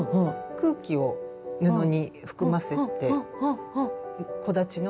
空気を布に含ませて木立の空気感を。